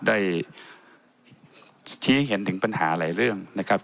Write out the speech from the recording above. ได้ชี้เห็นถึงปัญหาหลายเรื่องนะครับ